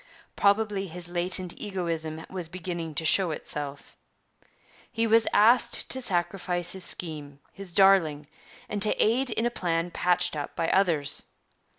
Probably his latent egoism was beginning to show itself. He was asked to sacrifice his scheme, his darling, and to aid in a plan patched up by others.